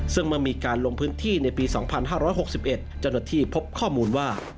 ตรงพื้นที่ในปี๒๕๖๑จำหนดที่พบข้อมูลว่า